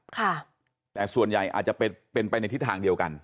ค่ะแต่ส่วนใหญ่อาจจะเป็นเป็นไปในทิศทางเดียวกัน